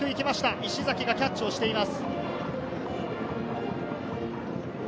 石崎がキャッチをしています。